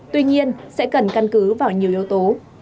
tuy nhiên sẽ cần căn cứ vào nhiều yếu tố